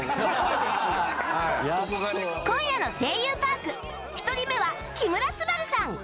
今夜の『声優パーク』１人目は木村昴さん